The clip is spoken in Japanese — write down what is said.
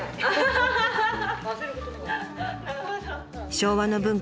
昭和の文化。